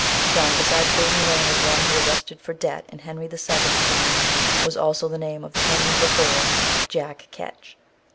Dun, besides being the name of one who arrested for debt in Henry VII.'s time, was also the name of the hangman before "Jack Ketch."